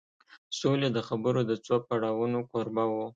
سولې د خبرو د څو پړاوونو کوربه و